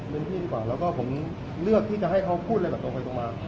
พี่ดีกว่าแล้วก็ผมเลือกที่จะให้เขาพูดอะไรแบบตรงไปตรงมา